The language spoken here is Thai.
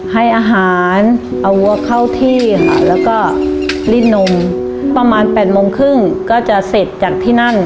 ให้อาหารเอาวัวเข้าที่ค่ะ